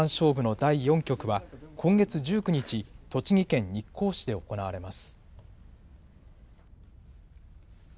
棋王戦五番勝負の第４局は今月１９日栃木県日光市で行われます。